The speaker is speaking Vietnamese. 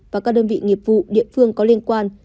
và các đơn vị nghiệp vụ địa phương có liên quan